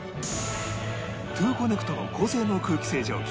トゥーコネクトの高性能空気清浄機